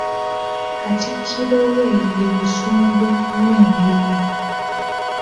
Katikkiro we ye Busungwe ow'Engeye.